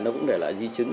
nó cũng để lại di chứng